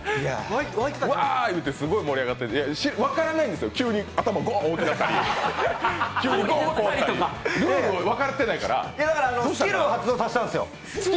うわー言うてすごい盛り上がってましたが、分からないんですよ、急に大きくなったりルールを分かってないからだからスキルを発動させたんですよ。